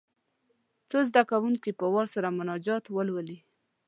څو زده کوونکي په وار سره مناجات ولولي.